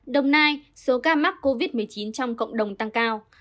đồng nai số ca mắc covid một mươi chín trong cộng đồng tăng cao